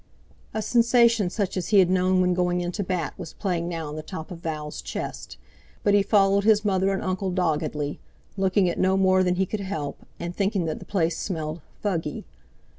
A sensation such as he had known when going in to bat was playing now in the top of Val's chest, but he followed his mother and uncle doggedly, looking at no more than he could help, and thinking that the place smelled "fuggy."